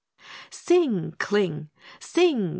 Sing! cling! Sing!